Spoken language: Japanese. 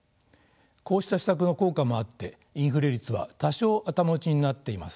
こうした施策の効果もあってインフレ率は多少頭打ちになっています。